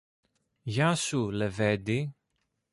Γεια σου, λεβέντη!